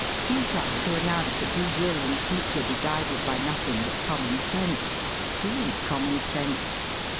Futile to announce that you will in future be guided by nothing but common sense! Whose common sense?